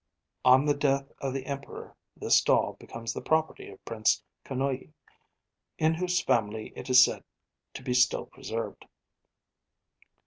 ' 'On the death of the Emperor this doll became the property of Prince Konoye, in whose family it is said to be still preserved.